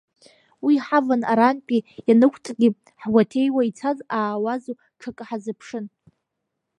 Уи ҳаван арантәи ианықәҵгьы ҳгәаҭеиуа, ицаз аауазу, ҽакы ҳазыԥшын.